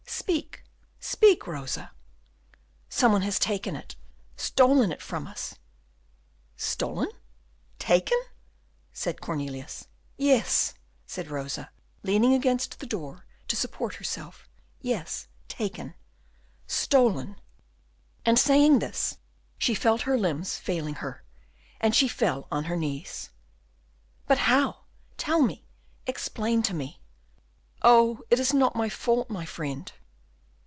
"Speak, speak, Rosa!" "Some one has taken stolen it from us." "Stolen taken?" said Cornelius. "Yes," said Rosa, leaning against the door to support herself; "yes, taken, stolen!" And saying this, she felt her limbs failing her, and she fell on her knees. "But how? Tell me, explain to me." "Oh, it is not my fault, my friend."